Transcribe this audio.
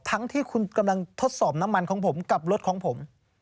ทั้งที่คุณกำลังทดสอบน้ำมันของผมกับรถของผม